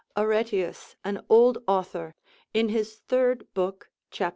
Areteus, an old author, in his third book cap.